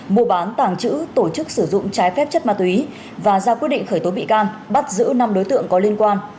mua bán tàng trữ tổ chức sử dụng trái phép chất ma túy và ra quyết định khởi tố bị can bắt giữ năm đối tượng có liên quan